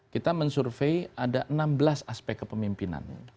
kita mensurvey ada enam belas aspek kepemimpinan